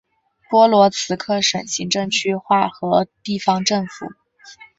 波罗兹克省行政区划和地方政府。